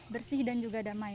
bersih dan juga damai